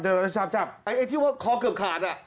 คือว่าค้าวเขือบขาด